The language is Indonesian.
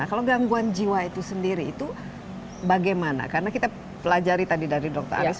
kalau gangguan jiwa itu sendiri itu bagaimana karena kita pelajari tadi dari dokter aris